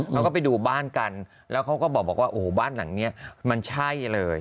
เขาก็ไปดูบ้านกันแล้วเขาก็บอกว่าโอ้โหบ้านหลังนี้มันใช่เลย